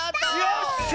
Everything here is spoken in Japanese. よっしゃ！